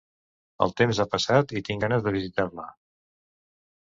El temps ha passat i tinc ganes de visitar-la.